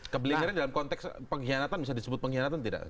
kebelingernya dalam konteks pengkhianatan bisa disebut pengkhianatan tidak